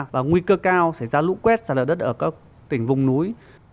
và nguy cơ cao sẽ ra lũ quét ra đất ở các tỉnh vùng núi